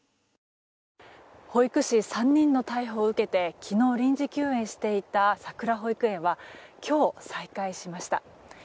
保育士３人の逮捕を受けて昨日臨時休園していたさくら保育園は今日、再開しました。